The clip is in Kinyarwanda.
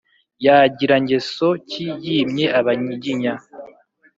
yagira ngeso ki yimye abanyiginya